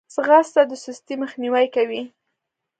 ځغاسته د سستي مخنیوی کوي